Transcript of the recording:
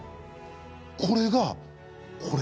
これがこれ？